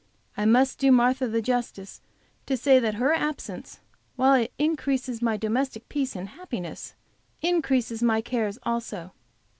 I must do Martha the justice to say that her absence, while it increases my domestic peace and happiness, increases my cares also.